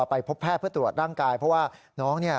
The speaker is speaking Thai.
ไปพบแพทย์เพื่อตรวจร่างกายเพราะว่าน้องเนี่ย